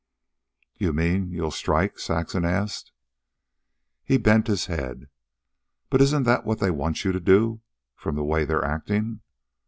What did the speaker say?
"You mean you'll... strike?" Saxon asked. He bent his head. "But isn't that what they want you to do? from the way they're acting?"